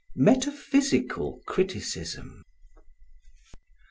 Metaphysical Criticism.